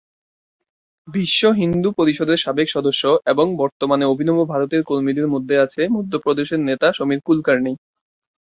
বিশ্ব হিন্দু পরিষদের সাবেক সদস্য এবং বর্তমানে অভিনব ভারতের কর্মীদের মধ্যে আছে মধ্য প্রদেশের নেতা সমীর কুলকার্নি।